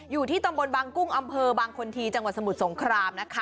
อยู่ที่ตำบลบางกุ้งอำเภอบางคนทีจังหวัดสมุทรสงครามนะคะ